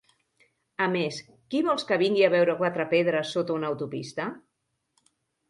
A més, qui vols que vingui a veure quatre pedres sota una autopista?